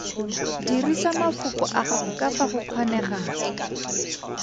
Dirisa mafoko a gago ka fa go kgonegang.